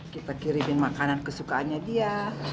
kita kirimin makanan kesukaannya dia